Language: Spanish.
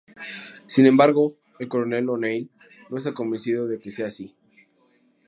Sin embargo, el Coronel O’Neill no está convencido de que sea así.